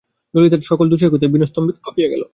ললিতার এই দুঃসাহসিকতায় বিনয় স্তম্ভিত হইয়া গেল।